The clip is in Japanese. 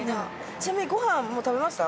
ちなみにご飯食べました？